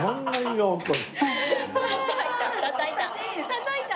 たたいた。